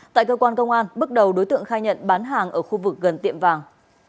tại cơ quan công an bước đầu đối tượng khai nhận bán hàng ở khu vực gần tiệm vàng